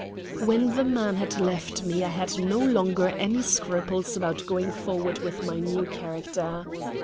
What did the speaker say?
When the man had left me I had no longer any scruples about going forward with my new character.